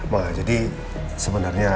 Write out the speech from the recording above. ma jadi sebenarnya